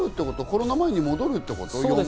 コロナ前に戻るってこと？